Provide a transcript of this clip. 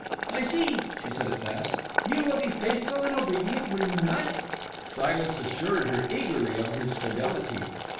"I see," she said at last. "You will be faithful and obedient, will you not?" Silas assured her eagerly of his fidelity.